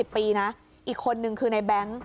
ปีนะอีกคนนึงคือในแบงค์